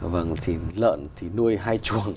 vâng thì lợn thì nuôi hay chuồng